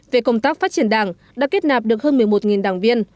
về công tác phát triển đảng đã kết nạp được hơn một mươi một đảng viên